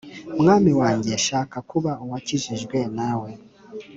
Mwami wanjye, nshaka kuba Uwakijijwe nawe